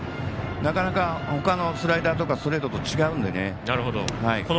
なかなか、他のスライダーとかストレートと違うので。